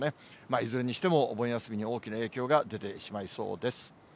いずれにしてもお盆休みに大きな影響が出てしまいそうです。